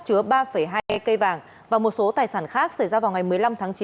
chứa ba hai e cây vàng và một số tài sản khác xảy ra vào ngày một mươi năm tháng chín